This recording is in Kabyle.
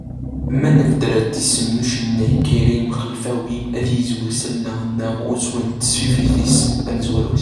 Ma nebder-d isem n ucennay Karim Xelfawi, ad yezwir s allaɣ-nneɣ uzwel n tesfifit-is tamezwarut.